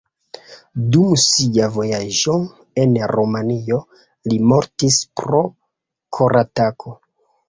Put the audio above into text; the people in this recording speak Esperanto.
Dum sia vojaĝo en Rumanio li mortis pro koratako.